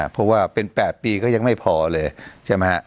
เพราะว่าเป็น๘ปีก็ยังไม่พอเลยใช่ไหมฮะ